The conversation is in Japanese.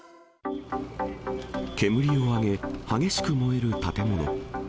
煙を上げ、激しく燃える建物。